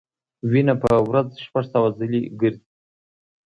وینه په ورځ شپږ سوه ځلې ګرځي.